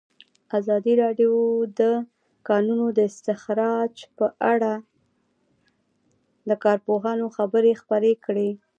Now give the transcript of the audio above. ازادي راډیو د د کانونو استخراج په اړه د کارپوهانو خبرې خپرې کړي.